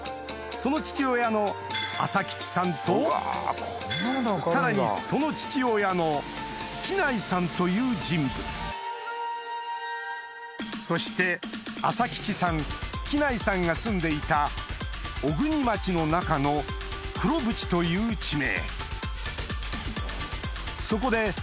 その父親の浅吉さんとさらにその父親の喜内さんという人物そして浅吉さん喜内さんが住んでいた小国町の中の黒渕という地名